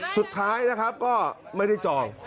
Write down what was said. สุดท้ายนะครับก็ไม่ได้จอง